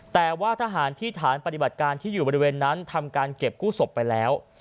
แต่ว่าทหารที่ฐานปฏิบัติการที่อยู่บริเวณนั้นทำการเก็บกู้ศพไปแล้ว